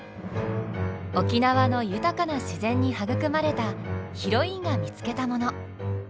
沖縄の豊かな自然に育まれたヒロインが見つけたもの。